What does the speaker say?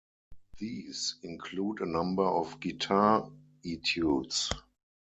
These include a number of guitar etudes.